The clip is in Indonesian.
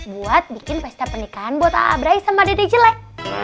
buat bikin pesta pernikahan buat abrahi sama dede jelek